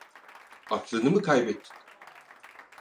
Aklını mı kaybettin?